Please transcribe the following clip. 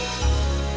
pada mati udah kan